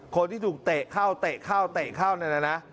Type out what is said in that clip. คนที่ถูกเตะเข้าเตะเข้าเตะเข้าเนี่ยนะ